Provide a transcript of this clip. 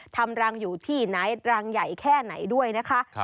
ทำรังอยู่ที่ไหนรังใหญ่แค่ไหนด้วยนะคะ